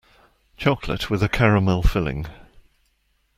Chocolate with a caramel filling.